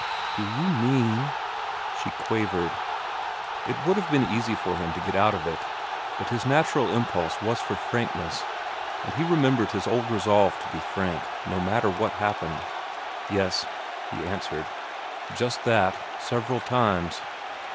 "Do you mean—?" she quavered. It would have been easy for him to get out of it; but his natural impulse was for frankness, and he remembered his old resolve to be frank, no matter what happened. "Yes," he answered. "Just that. Several times."